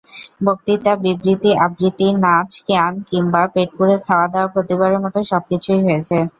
বক্তৃতা, বিবৃতি, আবৃত্তি, নাচ, গান কিংবা পেটপুরে খাওয়া দাওয়া প্রতিবারের মতো সবকিছুই হয়েছে।